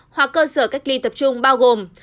hoặc cơ sở cách ly tập trung bao gồm